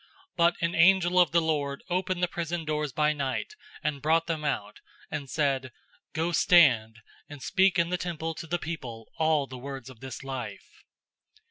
005:019 But an angel of the Lord opened the prison doors by night, and brought them out, and said, 005:020 "Go stand and speak in the temple to the people all the words of this life."